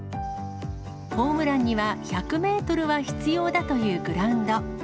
ホームランには１００メートルは必要だというグラウンド。